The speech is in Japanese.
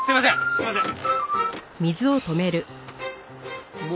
すいません。